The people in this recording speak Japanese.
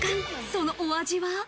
そのお味は？